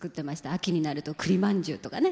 秋になるとくりまんじゅうとかね。